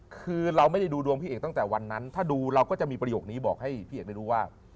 คือเราไม่ได้ดูดวงพี่เอกตั้งแต่วันนั้นถ้าดูเราก็จะมีประโยคนี้บอกให้พี่เอกได้รู้ว่า